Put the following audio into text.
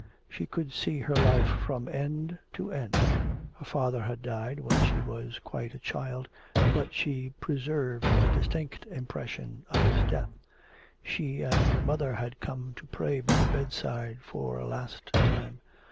She could see her life from end to end. Her father had died when she was quite a child, but she preserved a distinct impression of his death. She and her mother had come to pray by the bedside for a last time.